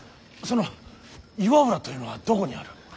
その岩浦というのはどこにある。